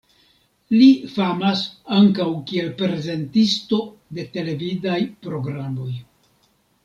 Li famas ankaŭ kiel prezentisto de televidaj programoj.